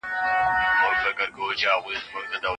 که انلاين درس متقابل وي ګډون زياتېږي.